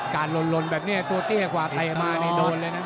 ลนแบบนี้ตัวเตี้ยกว่าเตะมานี่โดนเลยนะ